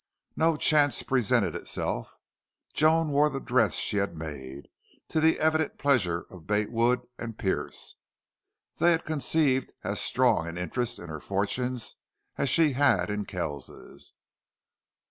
No chance presented itself. Joan wore the dress she had made, to the evident pleasure of Bate Wood and Pearce. They had conceived as strong an interest in her fortunes as she had in Kells's.